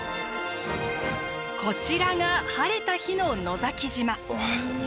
こちらが晴れた日の野崎島。